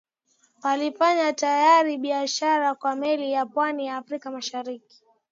walifanya tayari biashara kwa meli na pwani ya Afrika Mashariki